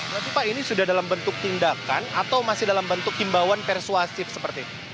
berarti pak ini sudah dalam bentuk tindakan atau masih dalam bentuk himbauan persuasif seperti itu